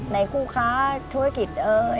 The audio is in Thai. ในคู่ค้าธุรกิจ